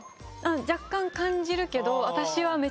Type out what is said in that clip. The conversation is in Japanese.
若干感じるけど。